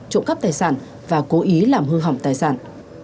trộm cắp tài sản và cố ý làm hư hỏng tài sản